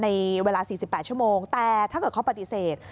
ในเวลา๔๘ชั่วโมงแต่ถ้าเกิดเขาปฏิเสธ